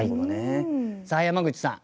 さあ山口さん